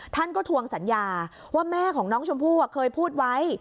ท่านก็ทวงสัญญาว่าแม่ของน้องชมพู่เคยพูดไว้